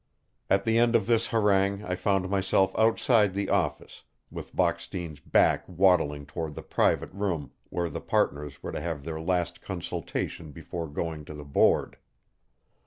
At the end of this harangue I found myself outside the office, with Bockstein's back waddling toward the private room where the partners were to have their last consultation before going to the Board.